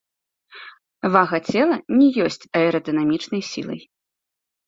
Вага цела не ёсць аэрадынамічнай сілай.